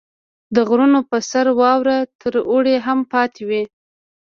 • د غرونو په سر واوره تر اوړي هم پاتې وي.